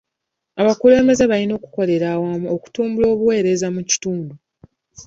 Abakulembeze balina okukolera awamu okutumbula obuweereza mu kitundu.